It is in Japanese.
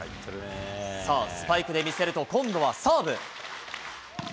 スパイクで見せると、今度はサーブ。